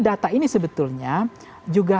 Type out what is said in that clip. data ini sebetulnya juga